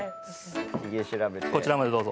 こちらまでどうぞ。